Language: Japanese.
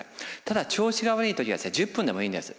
ただ調子が悪い時は１０分でもいいんです。